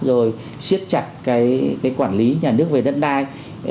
rồi siết chặt cái quản lý nhà nước về đất đai